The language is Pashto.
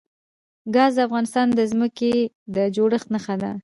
ګاز د افغانستان د ځمکې د جوړښت نښه ده.